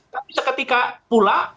tapi seketika pula